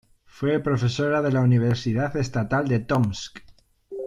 Fue profesora de la Universidad Estatal de Tomsk.